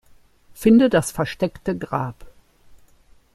Finde das versteckte Grab.